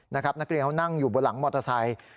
นักเรียนเขานั่งอยู่บนหลังมอเตอร์ไซค์